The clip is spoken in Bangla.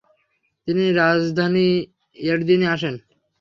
তিনি রাজধানী এদির্নে আসেন।